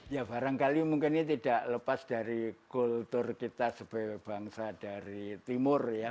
ya barangkali mungkin ini tidak lepas dari kultur kita sebagai bangsa dari timur ya